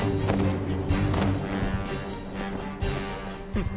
フッ。